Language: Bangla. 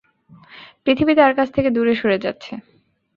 পৃথিবী তাঁর কাছ থেকে দূরে সরে যাচ্ছে।